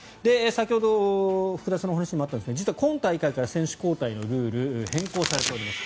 先ほど福田さんのお話にもあったんですが、今大会から選手交代のルール変更されています。